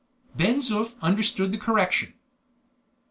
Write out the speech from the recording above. Ben Zoof understood the correction.